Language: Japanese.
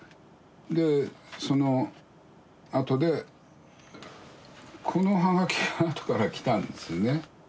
でそのあとでこの葉書があとから来たんですよね。